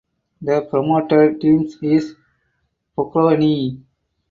The promoted team is Pohronie.